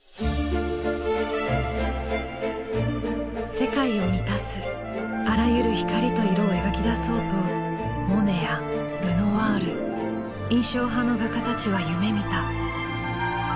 世界を満たすあらゆる光と色を描き出そうとモネやルノワール印象派の画家たちは夢みた。